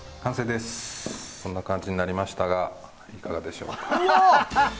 こんな感じになりましたがいかがでしょうか。